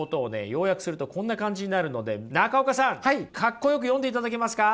要約するとこんな感じになるので中岡さんかっこよく読んでいただけますか？